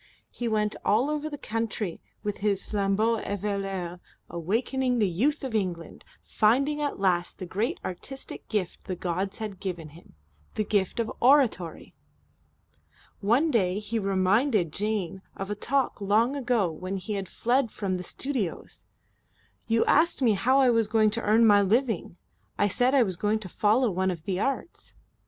He went all over the country with his flambeau eveilleur, awakening the Youth of England, finding at last the great artistic gift the gods had given him, the gift of oratory. One day he reminded Jane of a talk long ago when he had fled from the studios: "You asked me how I was going to earn my living. I said I was going to follow one of the Arts."